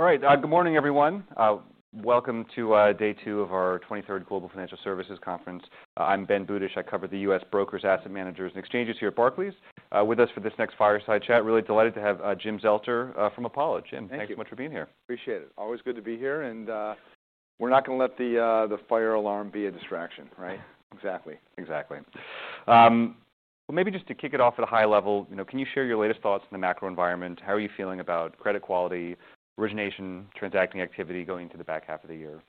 All right, good morning, everyone. Welcome to day two of our 23rd Global Financial Services Conference. I'm Ben Budish. I cover the U.S. brokers, asset managers, and exchanges here at Barclays. With us for this next fireside chat, really delighted to have Jim Zelter from Apollo. Jim, thanks so much for being here. Appreciate it. Always good to be here. We're not going to let the fire alarm be a distraction, right? Exactly. Exactly. Maybe just to kick it off at a high level, you know, can you share your latest thoughts on the macro environment? How are you feeling about credit quality, origination, transacting activity going into the back half of the year?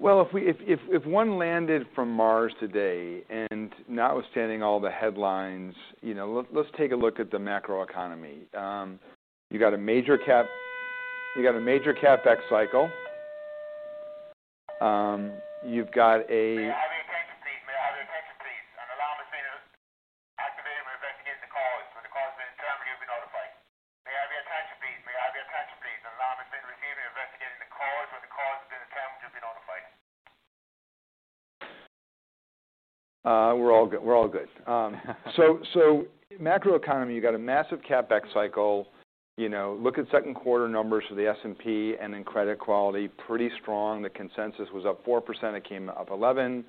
If one landed from Mars today and notwithstanding all the headlines, you know, let's take a look at the macro economy. You've got a major CapEx cycle. You've got a... The name of investigating the cause. For the cause being determined to be notified. May I be attached to please? An anonymous bid receiving investigating the cause. For the cause being determined to be notified. We're all good. We're all good. Macro economy, you've got a massive CapEx cycle. Look at second quarter numbers for the S&P, and in credit quality, pretty strong. The consensus was up 4%. It came up 11%.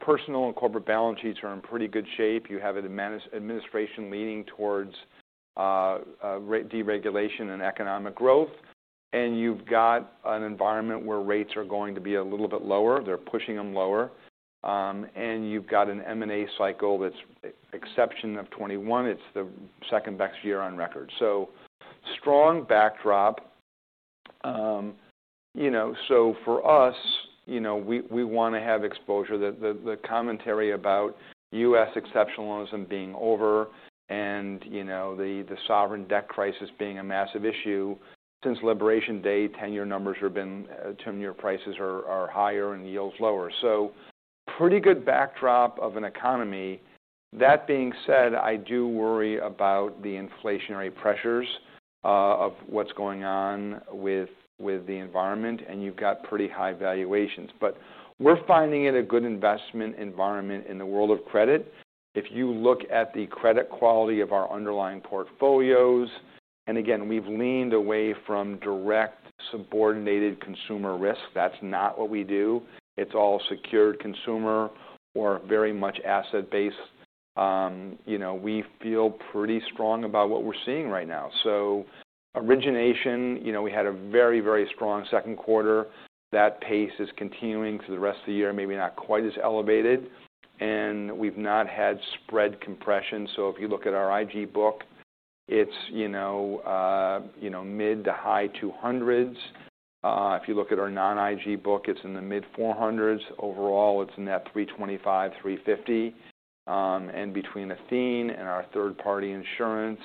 Personal and corporate balance sheets are in pretty good shape. You have an administration leaning towards rate deregulation and economic growth. You've got an environment where rates are going to be a little bit lower. They're pushing them lower. You've got an M&A cycle that, exception of 2021, it's the second best year on record. Strong backdrop. For us, we want to have exposure. The commentary about U.S. exceptionalism being over and the sovereign debt crisis being a massive issue since Liberation Day, 10-year numbers have been, 10-year prices are higher and yields lower. Pretty good backdrop of an economy. That being said, I do worry about the inflationary pressures of what's going on with the environment. You've got pretty high valuations. We're finding it a good investment environment in the world of credit. If you look at the credit quality of our underlying portfolios, and again, we've leaned away from direct subordinated consumer risk. That's not what we do. It's all secured consumer or very much asset-based. We feel pretty strong about what we're seeing right now. Origination, we had a very, very strong second quarter. That pace is continuing for the rest of the year, maybe not quite as elevated. We've not had spread compression. If you look at our IG book, it's mid to high 200s. If you look at our non-IG book, it's in the mid 400s. Overall, it's in that 325, 350. Between Athene and our third-party insurance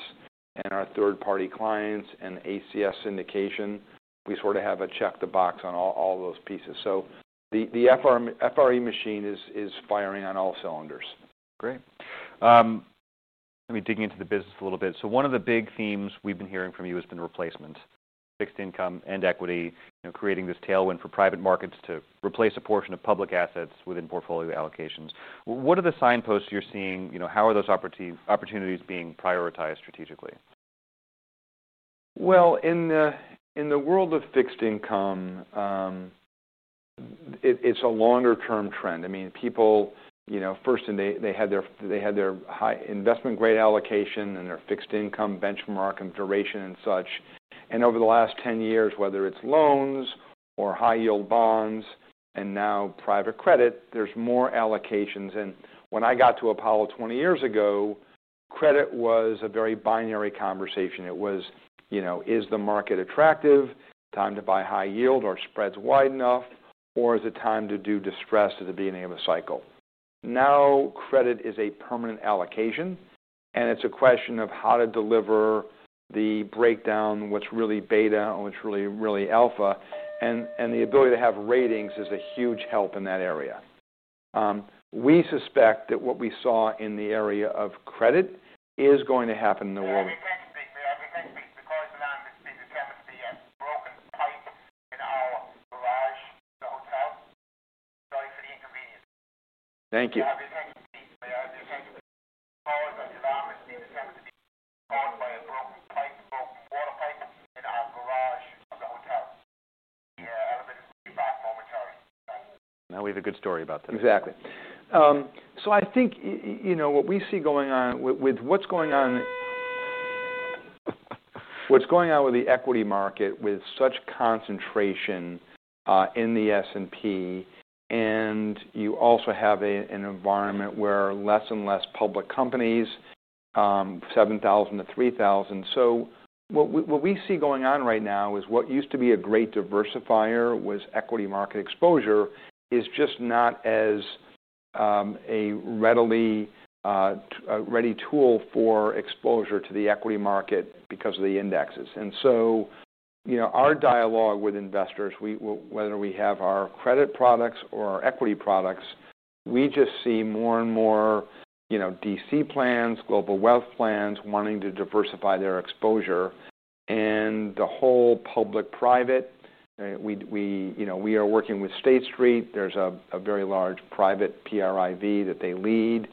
and our third-party clients and ACS syndication, we sort of have a check the box on all those pieces. The FRE machine is firing on all cylinders. Great. Let me dig into the business a little bit. One of the big themes we've been hearing from you has been replacement, fixed income and equity, creating this tailwind for private markets to replace a portion of public assets within portfolio allocations. What are the signposts you're seeing? How are those opportunities being prioritized strategically? In the world of fixed income, it's a longer-term trend. I mean, people, you know, first, and they had their high investment grade allocation and their fixed income benchmark and duration and such. Over the last 10 years, whether it's loans or high-yield bonds and now private credit, there's more allocations. When I got to Apollo 20 years ago, credit was a very binary conversation. It was, you know, is the market attractive? Time to buy high yield or spreads wide enough? Or is it time to do distress at the beginning of a cycle? Now, credit is a permanent allocation. It's a question of how to deliver the breakdown, what's really beta and what's really, really alpha. The ability to have ratings is a huge help in that area. We suspect that what we saw in the area of credit is going to happen in the world. The cameras are on between the camera for the broken plate in our garage, the hotel. Sorry for the. Thank you. Now we have a good story about them. Exactly. I think what we see going on with what's going on with the equity market, with such concentration in the S&P, is you also have an environment where there are less and less public companies, from 7,000 to 3,000. What we see going on right now is what used to be a great diversifier was equity market exposure, but it is just not as readily a tool for exposure to the equity market because of the indexes. Our dialogue with investors, whether we have our credit products or our equity products, shows more and more DC plans and global wealth plans wanting to diversify their exposure. The whole public-private, we are working with State Street. There is a very large private PRIV that they lead,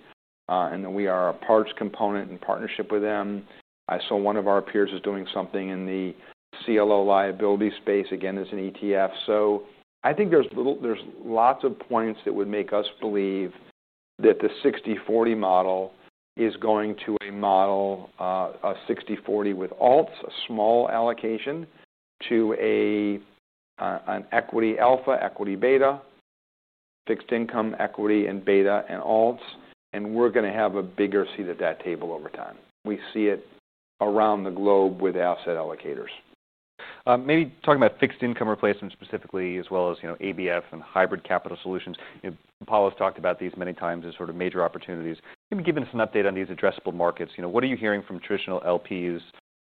and we are a component in partnership with them. I saw one of our peers is doing something in the CLO liability space, again, as an ETF. There are lots of points that would make us believe that the 60/40 model is going to a model, a 60/40 with alts, a small allocation to an equity alpha, equity beta, fixed income, equity, and beta, and alts. We are going to have a bigger seat at that table over time. We see it around the globe with asset allocators. Maybe talking about fixed income replacement specifically, as well as, you know, ABF and hybrid capital solutions. Apollo's talked about these many times as sort of major opportunities. Maybe give us an update on these addressable markets. You know, what are you hearing from traditional LPs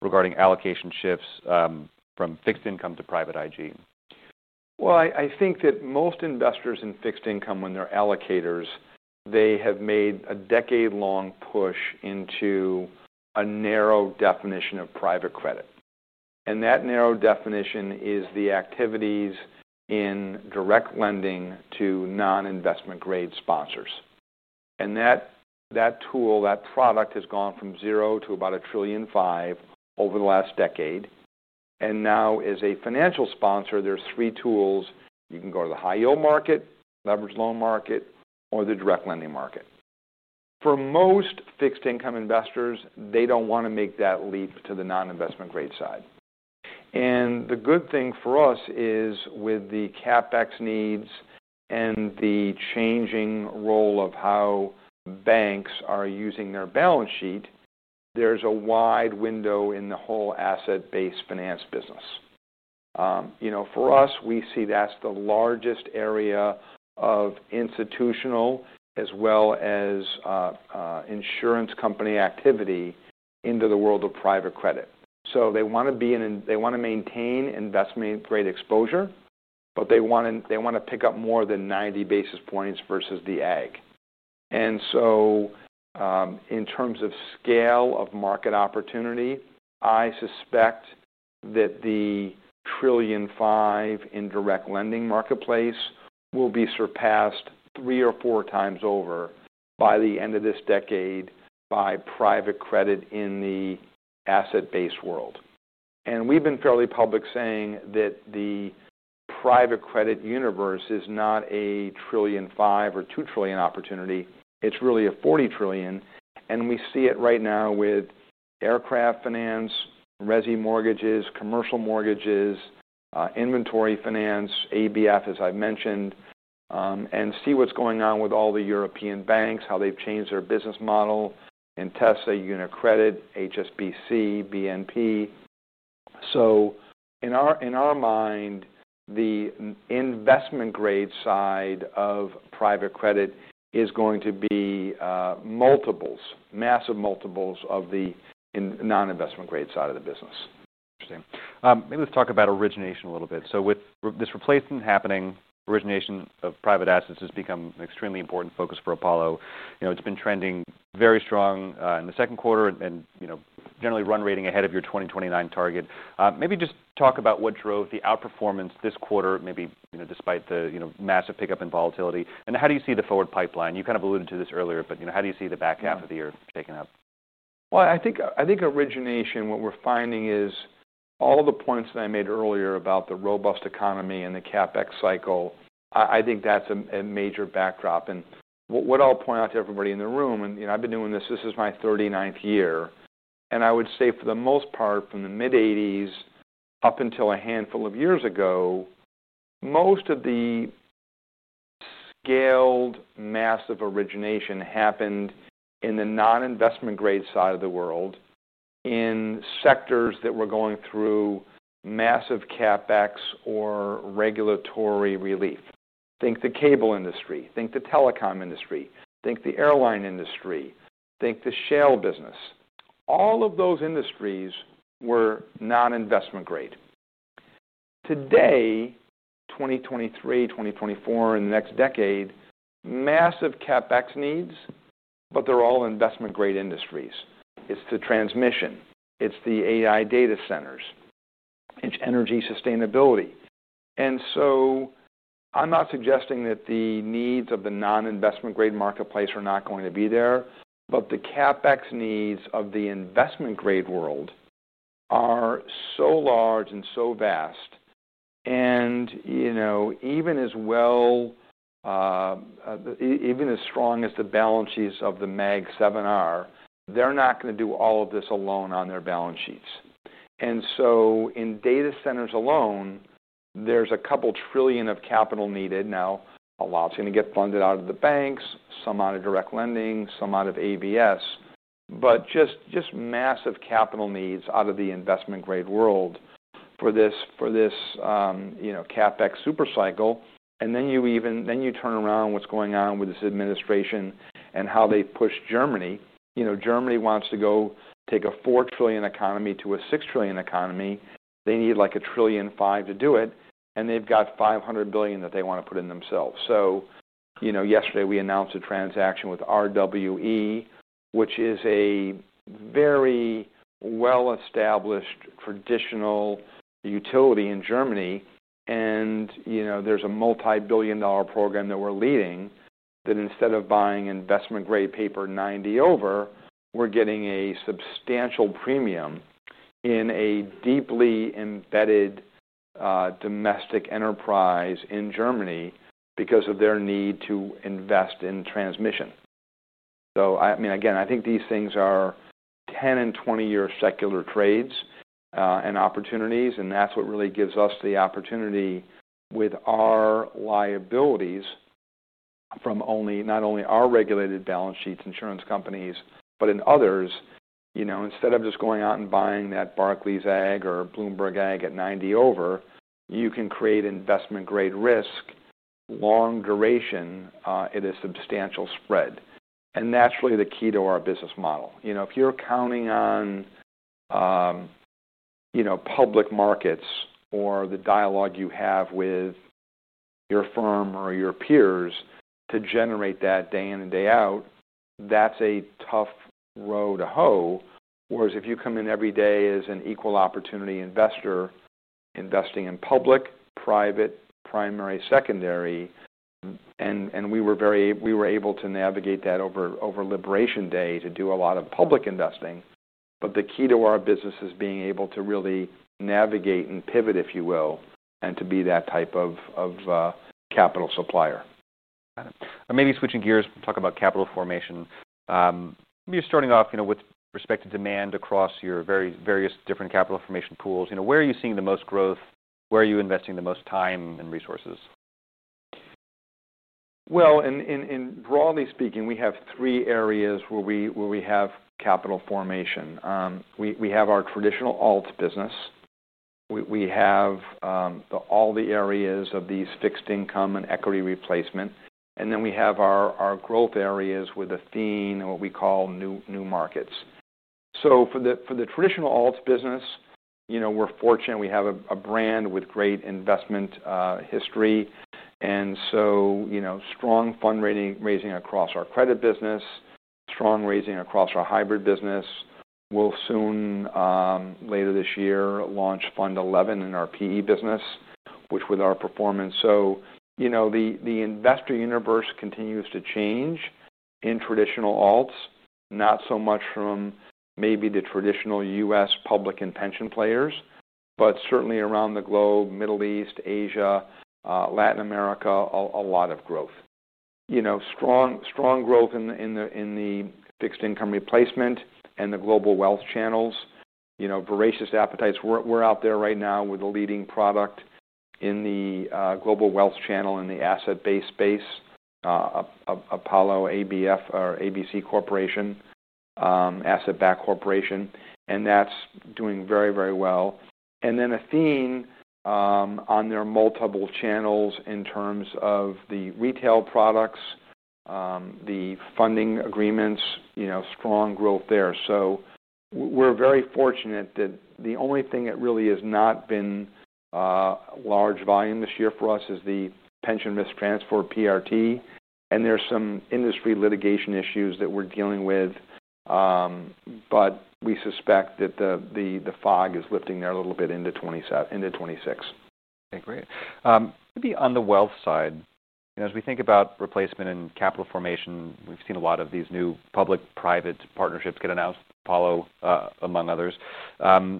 regarding allocation shifts from fixed income to private IG? I think that most investors in fixed income, when they're allocators, have made a decade-long push into a narrow definition of private credit. That narrow definition is the activities in direct lending to non-investment grade sponsors. That tool, that product, has gone from zero to about $1.5 trillion over the last decade. Now, as a financial sponsor, there are three tools. You can go to the high-yield market, leveraged loan market, or the direct lending market. For most fixed income investors, they don't want to make that leap to the non-investment grade side. The good thing for us is with the CapEx needs and the changing role of how banks are using their balance sheet, there's a wide window in the whole asset-based finance business. For us, we see that's the largest area of institutional as well as insurance company activity into the world of private credit. They want to be in, they want to maintain investment grade exposure, but they want to pick up more than 90 basis points versus the ag. In terms of scale of market opportunity, I suspect that the $1.5 trillion in direct lending marketplace will be surpassed three or four times over by the end of this decade by private credit in the asset-based world. We've been fairly public saying that the private credit universe is not a $1.5 trillion or $2 trillion opportunity. It's really a $40 trillion. We see it right now with aircraft finance, resi mortgages, commercial mortgages, inventory finance, ABF, as I've mentioned, and see what's going on with all the European banks, how they've changed their business model, and Tesla, UniCredit, HSBC, BNP. In our mind, the investment grade side of private credit is going to be multiples, massive multiples of the non-investment grade side of the business. Interesting. Maybe let's talk about origination a little bit. With this replacement happening, origination of private assets has become an extremely important focus for Apollo. It's been trending very strong in the second quarter and generally run rating ahead of your 2029 target. Maybe just talk about what drove the outperformance this quarter, despite the massive pickup in volatility. How do you see the forward pipeline? You kind of alluded to this earlier, but how do you see the back half of the year picking up? I think origination, what we're finding is all the points that I made earlier about the robust economy and the capex cycle, I think that's a major backdrop. What I'll point out to everybody in the room, you know, I've been doing this, this is my 39th year. I would say for the most part, from the mid '80s up until a handful of years ago, most of the scaled massive origination happened in the non-investment grade side of the world in sectors that were going through massive capex or regulatory relief. Think the cable industry, think the telecom industry, think the airline industry, think the shale business. All of those industries were non-investment grade. Today, 2023, 2024, in the next decade, massive capex needs, but they're all investment grade industries. It's the transmission. It's the AI data centers. It's energy sustainability. I'm not suggesting that the needs of the non-investment grade marketplace are not going to be there, but the capex needs of the investment grade world are so large and so vast. Even as well, even as strong as the balance sheets of the Mag 7R, they're not going to do all of this alone on their balance sheets. In data centers alone, there's a couple trillion of capital needed. A lot's going to get funded out of the banks, some out of direct lending, some out of ABS, but just massive capital needs out of the investment grade world for this capex super cycle. Then you turn around what's going on with this administration and how they push Germany. Germany wants to go take a $4 trillion economy to a $6 trillion economy. They need like $1.5 trillion to do it. They've got $500 billion that they want to put in themselves. Yesterday we announced a transaction with RWE, which is a very well-established traditional utility in Germany. There's a multi-billion dollar program that we're leading that instead of buying investment grade paper 90 over, we're getting a substantial premium in a deeply embedded domestic enterprise in Germany because of their need to invest in transmission. I think these things are 10 and 20-year secular trades and opportunities. That's what really gives us the opportunity with our liabilities from not only our regulated balance sheets, insurance companies, but in others. Instead of just going out and buying that Barclays Agg or Bloomberg Agg at 90 over, you can create investment grade risk, long duration at a substantial spread. That's really the key to our business model. If you're counting on public markets or the dialogue you have with your firm or your peers to generate that day in and day out, that's a tough row to hoe. Whereas if you come in every day as an equal opportunity investor, investing in public, private, primary, secondary, we were able to navigate that over Liberation Day to do a lot of public investing. The key to our business is being able to really navigate and pivot, if you will, and to be that type of capital supplier. Got it. Maybe switching gears, talk about capital formation. You're starting off, you know, with respect to demand across your various different capital formation pools. You know, where are you seeing the most growth? Where are you investing the most time and resources? Broadly speaking, we have three areas where we have capital formation. We have our traditional alts business, we have all the areas of these fixed income and equity replacement, and then we have our growth areas with Athene and what we call new markets. For the traditional alts business, you know, we're fortunate. We have a brand with great investment history, and strong fundraising across our credit business, strong raising across our hybrid business. We'll soon, later this year, launch fund 11 in our PE business with our performance. The investor universe continues to change in traditional alts, not so much from maybe the traditional U.S. public and pension players, but certainly around the globe, Middle East, Asia, Latin America, a lot of growth. Strong growth in the fixed income replacement and the global wealth channels, voracious appetites. We're out there right now with the leading product in the global wealth channel in the asset-based space, Apollo ABF or Asset Back Corporation, and that's doing very, very well. Athene on their multiple channels in terms of the retail products, the funding agreements, strong growth there. We're very fortunate that the only thing that really has not been large volume this year for us is the pension risk transfer, PRT, and there's some industry litigation issues that we're dealing with. We suspect that the fog is lifting there a little bit into 2026. Okay, great. Maybe on the wealth side, as we think about replacement and capital formation, we've seen a lot of these new public-private partnerships get announced, Apollo among others. How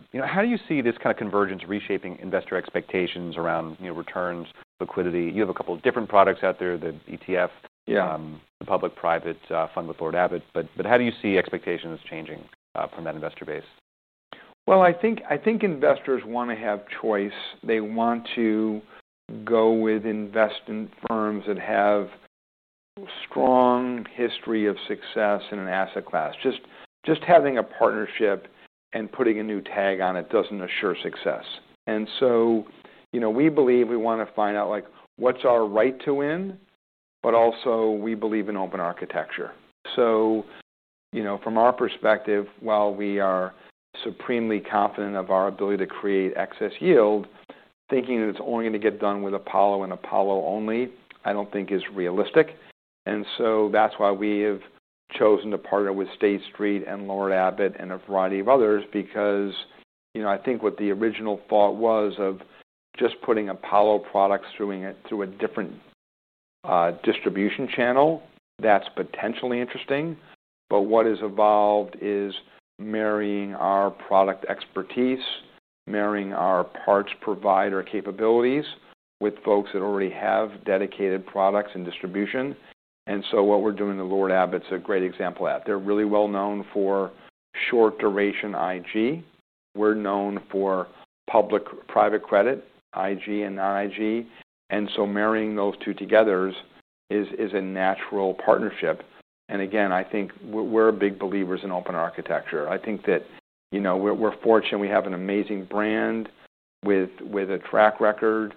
do you see this kind of convergence reshaping investor expectations around returns, liquidity? You have a couple of different products out there, the ETF, the public-private fund with Lord Abbett. How do you see expectations changing from that investor base? I think investors want to have choice. They want to go with investment firms that have a strong history of success in an asset class. Just having a partnership and putting a new tag on it doesn't assure success. We believe we want to find out, like, what's our right to win, but also we believe in open architecture. From our perspective, while we are supremely confident of our ability to create excess yield, thinking that it's only going to get done with Apollo Global Management and Apollo Global Management only, I don't think is realistic. That's why we have chosen to partner with State Street and Lord Abbett and a variety of others, because I think what the original thought was of just putting Apollo Global Management products through a different distribution channel, that's potentially interesting. What has evolved is marrying our product expertise, marrying our parts provider capabilities with folks that already have dedicated products and distribution. What we're doing in Lord Abbett is a great example of that. They're really well known for short duration investment grade credit. We're known for public-private credit, investment grade and non-investment grade. Marrying those two together is a natural partnership. Again, I think we're big believers in open architecture. I think that we're fortunate. We have an amazing brand with a track record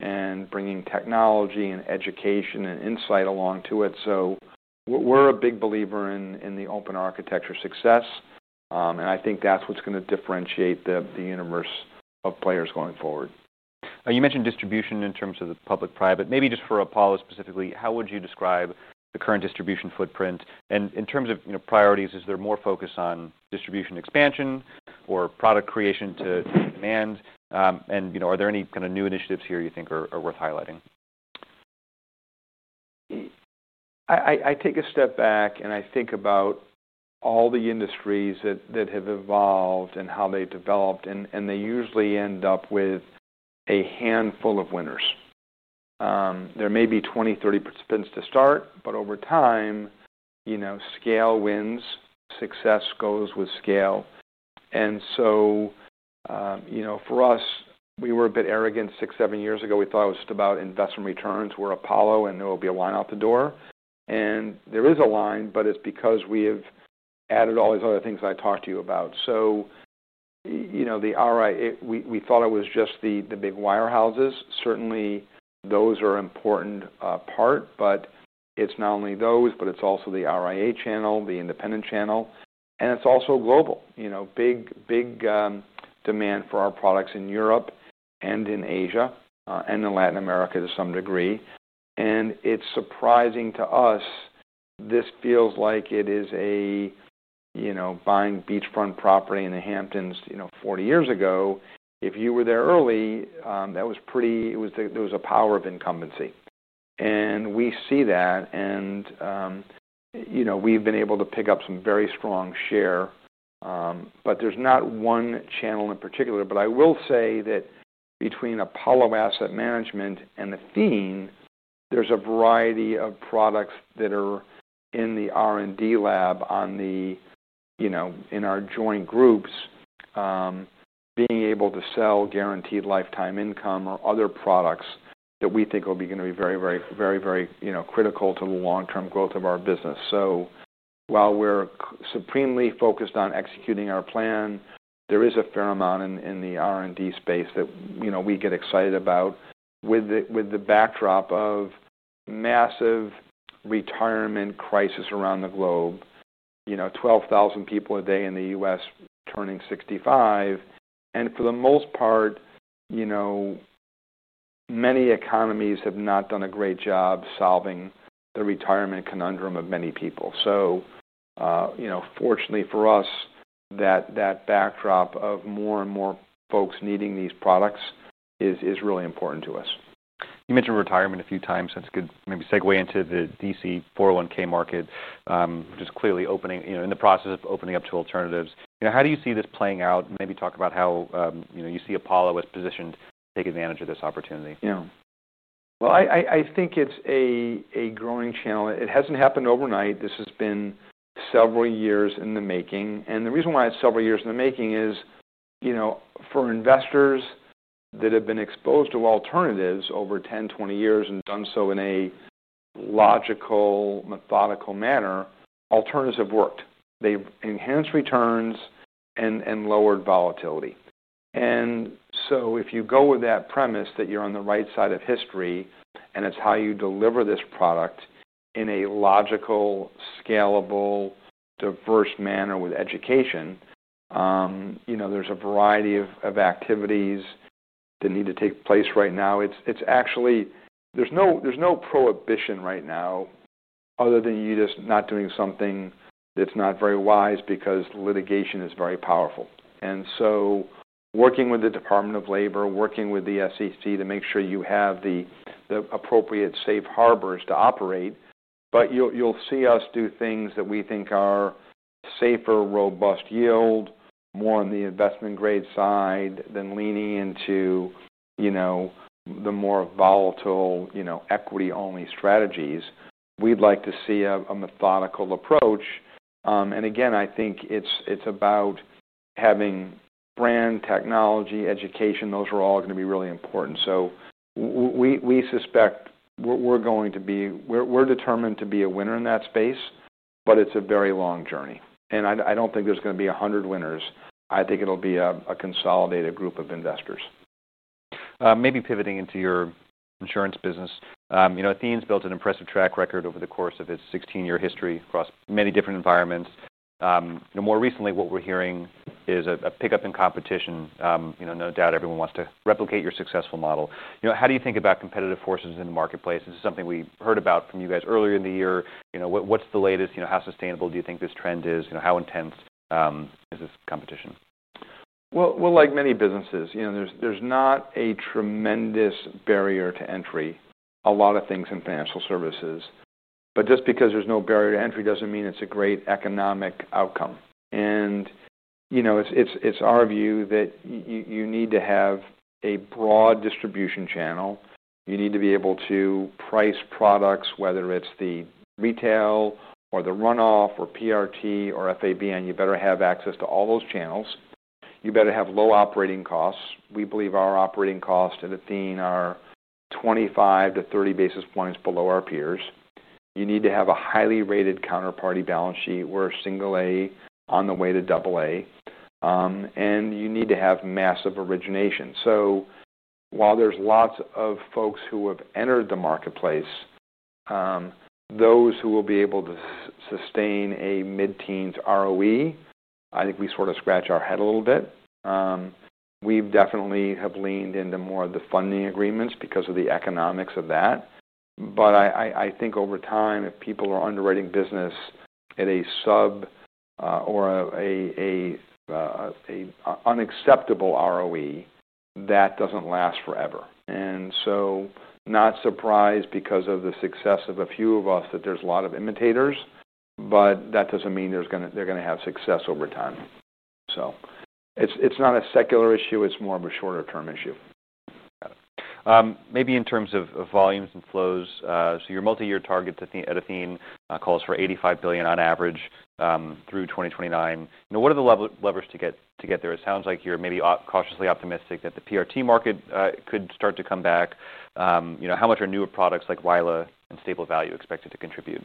and bringing technology and education and insight along to it. We're a big believer in the open architecture success. I think that's what's going to differentiate the universe of players going forward. You mentioned distribution in terms of the public-private. Maybe just for Apollo specifically, how would you describe the current distribution footprint? In terms of priorities, is there more focus on distribution expansion or product creation to demand? Are there any kind of new initiatives here you think are worth highlighting? I take a step back and I think about all the industries that have evolved and how they developed, and they usually end up with a handful of winners. There may be 20, 30 participants to start, but over time, you know, scale wins. Success goes with scale. For us, we were a bit arrogant six, seven years ago. We thought it was just about investment returns, we're Apollo and there will be a line out the door. There is a line, but it's because we have added all these other things that I talked to you about. The RIA, we thought it was just the big wirehouses. Certainly, those are an important part, but it's not only those, but it's also the RIA channel, the independent channel. It's also global. Big, big demand for our products in Europe and in Asia and in Latin America to some degree. It's surprising to us. This feels like it is buying beachfront property in the Hamptons 40 years ago. If you were there early, that was pretty, there was a power of incumbency. We see that. We've been able to pick up some very strong share. There's not one channel in particular. I will say that between Apollo Global Management and Athene, there's a variety of products that are in the R&D lab in our joint groups, being able to sell guaranteed lifetime income or other products that we think are going to be very, very, very, very critical to the long-term growth of our business. While we're supremely focused on executing our plan, there is a fair amount in the R&D space that we get excited about with the backdrop of a massive retirement crisis around the globe. 12,000 people a day in the U.S. turning 65. For the most part, many economies have not done a great job solving the retirement conundrum of many people. Fortunately for us, that backdrop of more and more folks needing these products is really important to us. You mentioned retirement a few times. That's a good maybe segue into the DC 401(k) market, just clearly opening, in the process of opening up to alternatives. How do you see this playing out? Maybe talk about how you see Apollo as positioned to take advantage of this opportunity. I think it's a growing channel. It hasn't happened overnight. This has been several years in the making. The reason why it's several years in the making is, for investors that have been exposed to alternatives over 10, 20 years and done so in a logical, methodical manner, alternatives have worked. They've enhanced returns and lowered volatility. If you go with that premise that you're on the right side of history and it's how you deliver this product in a logical, scalable, diverse manner with education, there's a variety of activities that need to take place right now. There's no prohibition right now other than you just not doing something that's not very wise because litigation is very powerful. Working with the Department of Labor, working with the SEC to make sure you have the appropriate safe harbors to operate. You'll see us do things that we think are safer, robust yield, more on the investment grade side than leaning into the more volatile, equity-only strategies. We'd like to see a methodical approach. I think it's about having brand, technology, education. Those are all going to be really important. We suspect we're going to be, we're determined to be a winner in that space, but it's a very long journey. I don't think there's going to be 100 winners. I think it'll be a consolidated group of investors. Maybe pivoting into your insurance business. Athene's built an impressive track record over the course of its 16-year history across many different environments. More recently, what we're hearing is a pickup in competition. No doubt everyone wants to replicate your successful model. How do you think about competitive forces in the marketplace? This is something we heard about from you guys earlier in the year. What's the latest? How sustainable do you think this trend is? How intense is this competition? Like many businesses, you know, there's not a tremendous barrier to entry. A lot of things in financial services. Just because there's no barrier to entry doesn't mean it's a great economic outcome. You know, it's our view that you need to have a broad distribution channel. You need to be able to price products, whether it's the retail or the runoff or PRT or ABF, and you better have access to all those channels. You better have low operating costs. We believe our operating costs at Athene are 25 to 30 basis points below our peers. You need to have a highly rated counterparty balance sheet. We're a single A on the way to double A. You need to have massive origination. While there's lots of folks who have entered the marketplace, those who will be able to sustain a mid-teens ROE, I think we sort of scratch our head a little bit. We've definitely leaned into more of the funding agreements because of the economics of that. I think over time, if people are underwriting business at a sub or an unacceptable ROE, that doesn't last forever. Not surprised because of the success of a few of us that there's a lot of imitators, but that doesn't mean they're going to have success over time. It's not a secular issue. It's more of a shorter-term issue. Got it. Maybe in terms of volumes and flows, your multi-year targets at Athene call for $85 billion on average through 2029. What are the levers to get there? It sounds like you're maybe cautiously optimistic that the PRT market could start to come back. How much are newer products like Wila and StableValue expected to contribute?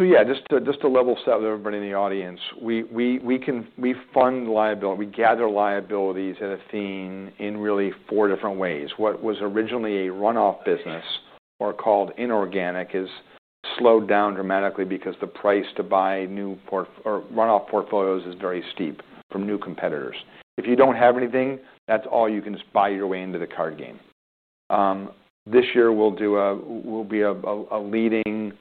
Yeah, just to level set with everybody in the audience, we fund liability. We gather liabilities at Athene in really four different ways. What was originally a runoff business or called inorganic has slowed down dramatically because the price to buy new or runoff portfolios is very steep from new competitors. If you don't have anything, that's all you can just buy your way into the card game. This year, we'll be a leading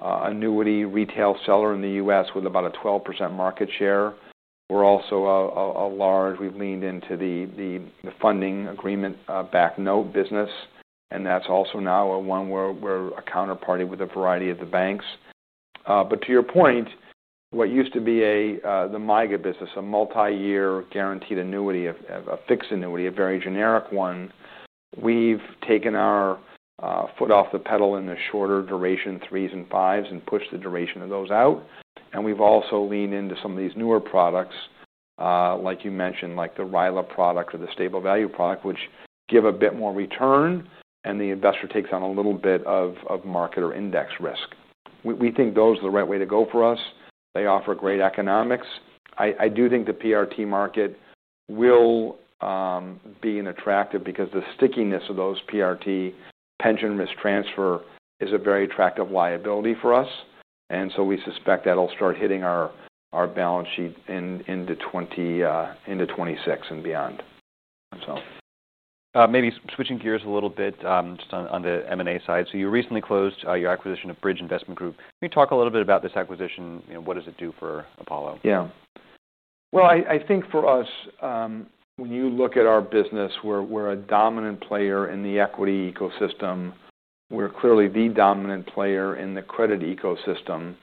annuity retail seller in the U.S. with about a 12% market share. We're also a large, we've leaned into the funding agreement back note business. That's also now one where we're a counterparty with a variety of the banks. To your point, what used to be the MIGA business, a multi-year guaranteed annuity, a fixed annuity, a very generic one, we've taken our foot off the pedal in the shorter duration threes and fives and pushed the duration of those out. We've also leaned into some of these newer products, like you mentioned, like the Wila product or the StableValue product, which give a bit more return and the investor takes on a little bit of market or index risk. We think those are the right way to go for us. They offer great economics. I do think the PRT market will be attractive because the stickiness of those PRT pension risk transfer is a very attractive liability for us. We suspect that'll start hitting our balance sheet into 2026 and beyond. Maybe switching gears a little bit just on the M&A side. You recently closed your acquisition of Bridge Investment Group. Can you talk a little bit about this acquisition? What does it do for Apollo? I think for us, when you look at our business, we're a dominant player in the equity ecosystem. We're clearly the dominant player in the credit ecosystem.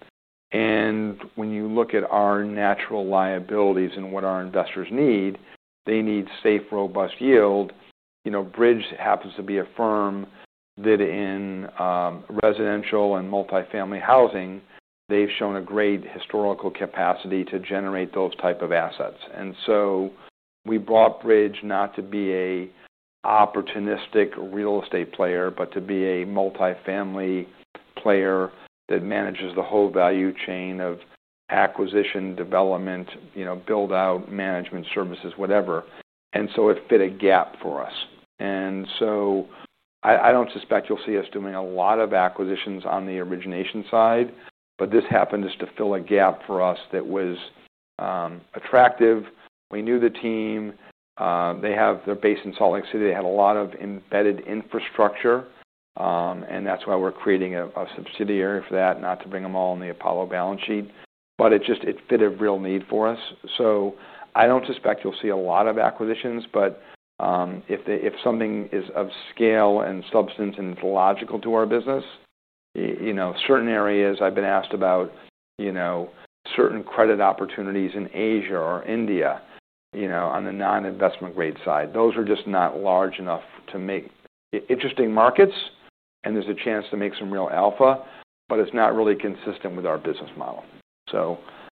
When you look at our natural liabilities and what our investors need, they need safe, robust yield. Bridge happens to be a firm that in residential and multifamily housing, they've shown a great historical capacity to generate those types of assets. We bought Bridge not to be an opportunistic real estate player, but to be a multifamily player that manages the whole value chain of acquisition, development, build-out, management services, whatever. It fit a gap for us. I don't suspect you'll see us doing a lot of acquisitions on the origination side, but this happened just to fill a gap for us that was attractive. We knew the team. They have their base in Salt Lake City. They have a lot of embedded infrastructure. That's why we're creating a subsidiary for that, not to bring them all on the Apollo balance sheet. It just fit a real need for us. I don't suspect you'll see a lot of acquisitions, but if something is of scale and substance and it's logical to our business, certain areas I've been asked about, certain credit opportunities in Asia or India, on the non-investment grade side, those are just not large enough to make interesting markets. There's a chance to make some real alpha, but it's not really consistent with our business model.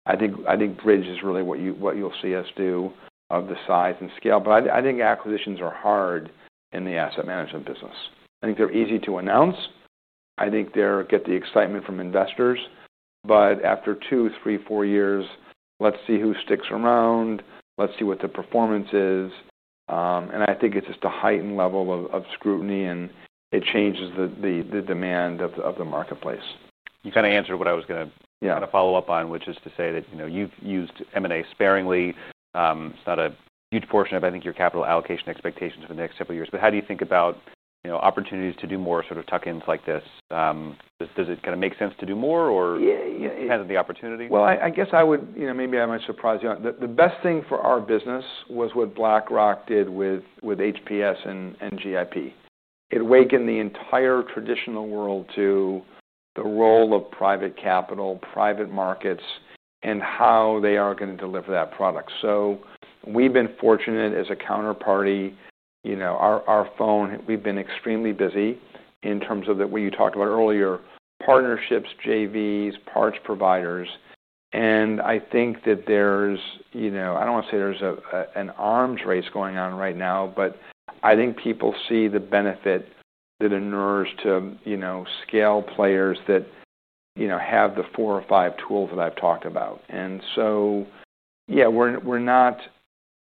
I think Bridge is really what you'll see us do of the size and scale. I think acquisitions are hard in the asset management business. They're easy to announce. They get the excitement from investors. After two, three, four years, let's see who sticks around. Let's see what the performance is. I think it's just a heightened level of scrutiny, and it changes the demand of the marketplace. You kind of answered what I was going to follow up on, which is to say that, you know, you've used M&A sparingly. It's not a huge portion of, I think, your capital allocation expectations for the next couple of years. How do you think about, you know, opportunities to do more sort of tuck-ins like this? Does it kind of make sense to do more or depends on the opportunity? I guess I would, you know, maybe I might surprise you. The best thing for our business was what BlackRock did with HPS and GIP. It awakened the entire traditional world to the role of private capital, private markets, and how they are going to deliver that product. We've been fortunate as a counterparty. Our phone, we've been extremely busy in terms of what you talked about earlier, partnerships, JVs, parts providers. I think that there's, you know, I don't want to say there's an arms race going on right now, but I think people see the benefit that it ensures to scale players that have the four or five tools that I've talked about.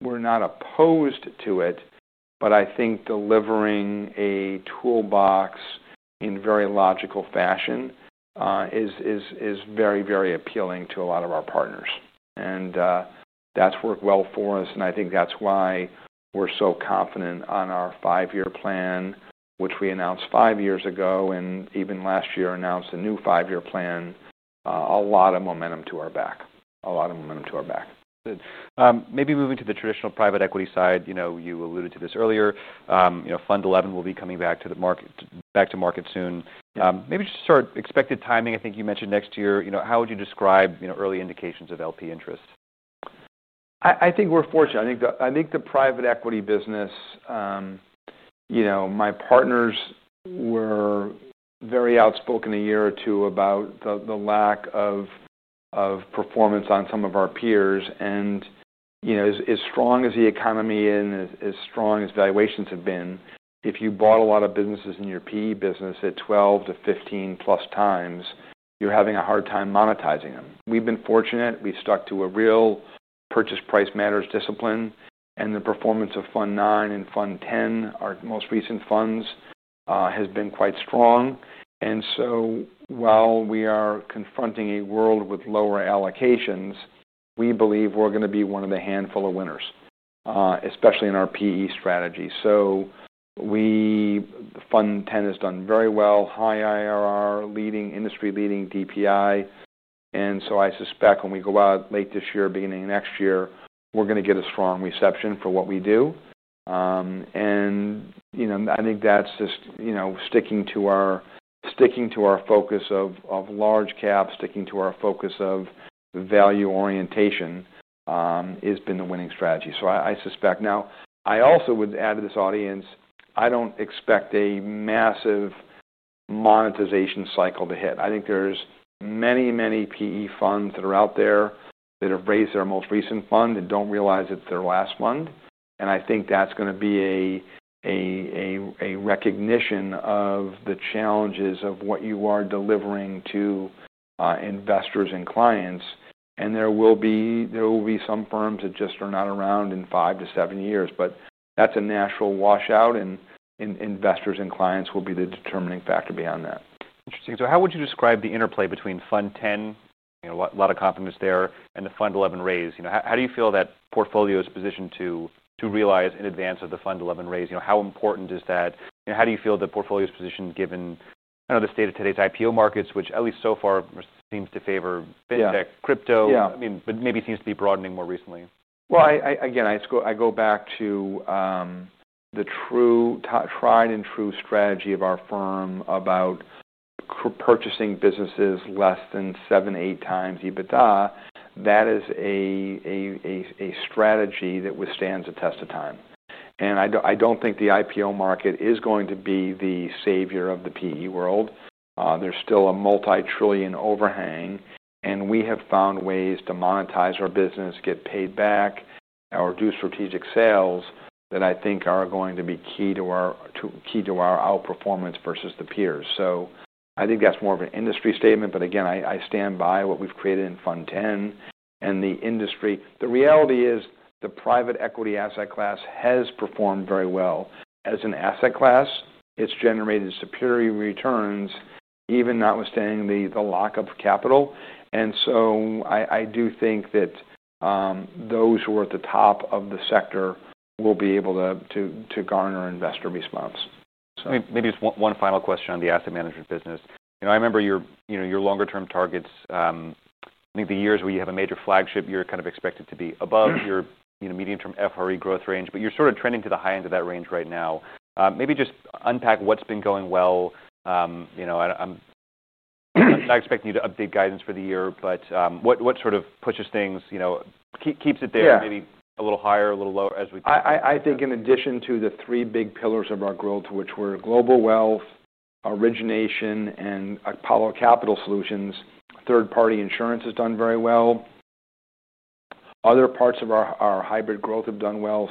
We're not opposed to it, but I think delivering a toolbox in a very logical fashion is very, very appealing to a lot of our partners. That's worked well for us. I think that's why we're so confident on our five-year plan, which we announced five years ago, and even last year announced a new five-year plan. A lot of momentum to our back. A lot of momentum to our back. Good. Maybe moving to the traditional private equity side, you alluded to this earlier. Fund 11 will be coming back to market soon. Maybe just sort of expected timing. I think you mentioned next year. How would you describe early indications of LP interest? I think we're fortunate. I think the private equity business, you know, my partners were very outspoken a year or two ago about the lack of performance on some of our peers. As strong as the economy is and as strong as valuations have been, if you bought a lot of businesses in your PE business at 12 to 15 plus times, you're having a hard time monetizing them. We've been fortunate. We stuck to a real purchase price matters discipline, and the performance of fund 9 and fund 10, our most recent funds, has been quite strong. While we are confronting a world with lower allocations, we believe we're going to be one of the handful of winners, especially in our PE strategy. Fund 10 has done very well, high IRR, industry-leading DPI. I suspect when we go out late this year, beginning next year, we're going to get a strong reception for what we do. I think that's just sticking to our focus of large cap, sticking to our focus of value orientation has been the winning strategy. I also would add to this audience, I don't expect a massive monetization cycle to hit. I think there are many, many PE funds that are out there that have raised their most recent fund and don't realize it's their last fund. I think that's going to be a recognition of the challenges of what you are delivering to investors and clients. There will be some firms that just are not around in five to seven years. That's a natural washout, and investors and clients will be the determining factor beyond that. Interesting. How would you describe the interplay between fund 10, a lot of confidence there, and the fund 11 raise? How do you feel that portfolio is positioned to realize in advance of the fund 11 raise? How important is that? How do you feel that portfolio is positioned given the state of today's IPO markets, which at least so far seems to favor fintech, crypto? It maybe seems to be broadening more recently. I go back to the tried and true strategy of our firm about purchasing businesses less than seven, eight times EBITDA. That is a strategy that withstands the test of time. I don't think the IPO market is going to be the savior of the PE world. There's still a multi-trillion overhang. We have found ways to monetize our business, get paid back, or do strategic sales that I think are going to be key to our outperformance versus the peers. I think that's more of an industry statement. I stand by what we've created in fund 10. The reality is the private equity asset class has performed very well. As an asset class, it's generated superior returns, even notwithstanding the lack of capital. I do think that those who are at the top of the sector will be able to garner investor response. Maybe just one final question on the asset management business. I remember your longer-term targets. I think the years where you have a major flagship, you're kind of expected to be above your medium-term FRE growth range. You're sort of trending to the high end of that range right now. Maybe just unpack what's been going well. I'm not expecting you to update guidance for the year, but what sort of pushes things, keeps it there maybe a little higher, a little lower as we talk. I think in addition to the three big pillars of our growth, which were global wealth, origination, and Apollo Capital Solutions, third-party insurance has done very well. Other parts of our hybrid growth have done well.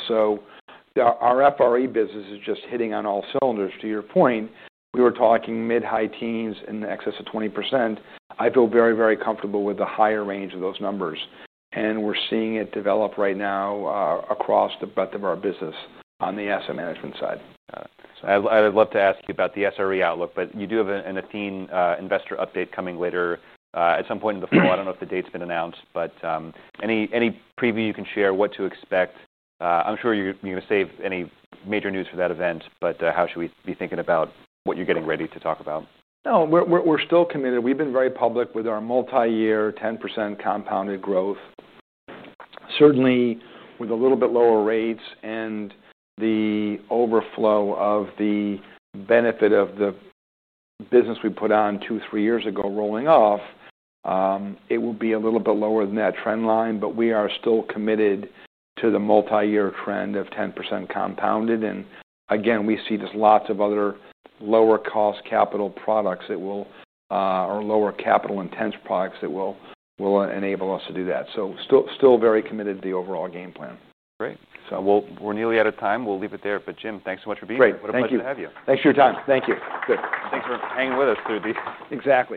Our FRE business is just hitting on all cylinders. To your point, we were talking mid-high teens in the excess of 20%. I feel very, very comfortable with the higher range of those numbers. We're seeing it develop right now across the breadth of our business on the asset management side. I'd love to ask you about the SRE outlook, but you do have an Athene investor update coming later at some point in the fall. I don't know if the date's been announced, but any preview you can share what to expect? I'm sure you're going to save any major news for that event, but how should we be thinking about what you're getting ready to talk about? No, we're still committed. We've been very public with our multi-year 10% compounded growth. Certainly, with a little bit lower rates and the overflow of the benefit of the business we put on two, three years ago rolling off, it will be a little bit lower than that trend line, but we are still committed to the multi-year trend of 10% compounded. We see just lots of other lower cost capital products, or lower capital intense products, that will enable us to do that. Still very committed to the overall game plan. Great, we're nearly out of time. We'll leave it there. Jim, thanks so much for being here. Great. Thank you. Thanks for your time. Thank you. Good. Thanks for hanging with us through these. Exactly.